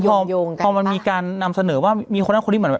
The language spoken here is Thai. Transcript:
พอมีการนำเสนอว่ามีคนนั้นคนนี้